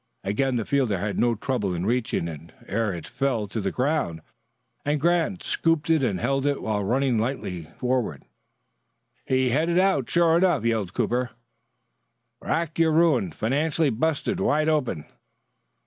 Again the fielder had no trouble in reaching it ere it fell to the ground, and Grant scooped and held it while running lightly forward. "He hit it out, sure enough," chortled Cooper. "Rack, you're ruined financially busted wide open."